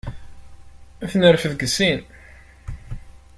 Ad t-nerfed deg sin.